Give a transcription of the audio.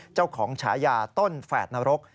เจ้าของฉายาต้นแฝดนรก